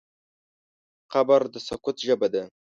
قبر د سکوت ژبه ده.